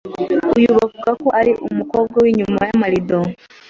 Uyu bavuga ko ari umukobwa w’inyuma y’amarido.